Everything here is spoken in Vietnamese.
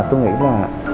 tôi nghĩ là